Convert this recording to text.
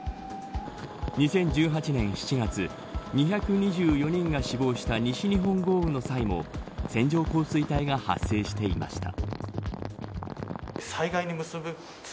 ２０１８年７月２２４人が死亡した西日本豪雨の際も線状降水帯が発生していました。